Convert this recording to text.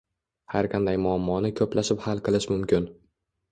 Har qanday muammoni koʻplashib hal qilish mumkin